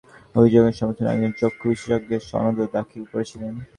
বিএমডিসিতে তাঁরা তাঁদের অভিযোগের সমর্থনে একজন চক্ষু বিশেষজ্ঞের সনদও দাখিল করেছিলেন।